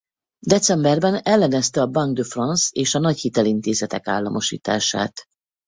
Decemberben ellenezte a Banque de France és a nagy hitelintézetek államosítását.